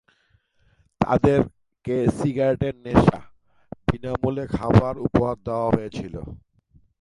তাদেরকে সিগারেটের নেশা, বিনামূল্যে খাবার উপহার দেয়া হয়েছিল।